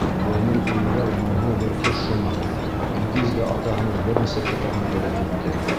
Йәнем иңрәр моңһоу бер ҡош һымаҡ, Илгиз дә атаһының бер нисә китабын бүләк итте.